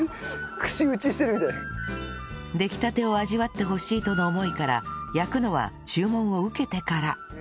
できたてを味わってほしいとの思いから焼くのは注文を受けてから